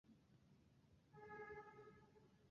পরের মৌসুমে herb Gardiner তাঁর স্থলাভিষিক্ত হন।